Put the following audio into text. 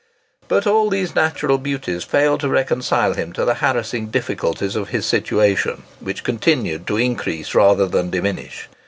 But all these natural beauties failed to reconcile him to the harassing difficulties of his situation, which continued to increase rather than diminish.